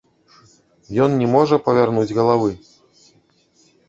Ён не можа павярнуць галавы.